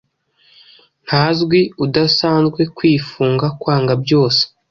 Ntazwi, udasanzwe! Kwifunga, kwanga byose: